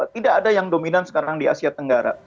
tidak ada yang dominan sekarang di asia tenggara